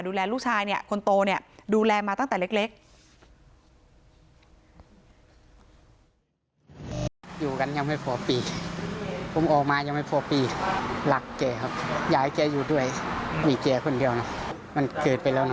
ดูแลลูกชายเนี่ยคนโตเนี่ยดูแลมาตั้งแต่เล็ก